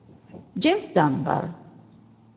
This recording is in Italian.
James Dunbar